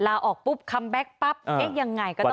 ลาออกปุ๊บคัมแบ็คปั๊บเอ๊ะยังไงก็ต้อง